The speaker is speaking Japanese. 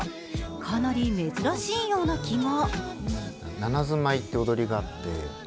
かなり珍しいような気が。